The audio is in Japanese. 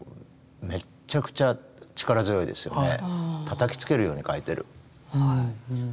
たたきつけるように描いてる。